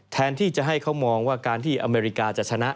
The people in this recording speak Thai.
แทนที่จะให้เขามองว่าการที่อเมริกาจะชนะ